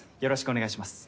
お願いします。